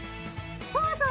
そうそう！